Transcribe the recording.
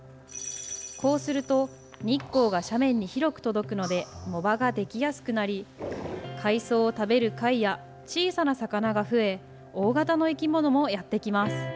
こうすると日光が斜面に広く届くので、藻場ができやすくなり、海藻を食べる貝や小さな魚が増え、大型の生き物もやって来ます。